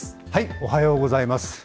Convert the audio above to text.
おはようございます。